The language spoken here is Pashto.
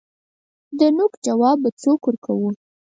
دنوک جواب په سوک ورکوو